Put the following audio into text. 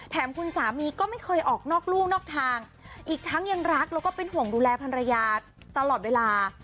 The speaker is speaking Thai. คุณสามีก็ไม่เคยออกนอกลูกนอกทางอีกทั้งยังรักแล้วก็เป็นห่วงดูแลภรรยาตลอดเวลา